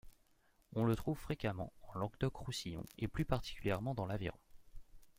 On le trouve fréquemment en Languedoc-Roussillon et plus particulièrement dans l'Aveyron.